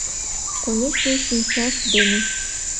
Конешне, шинчашт дене.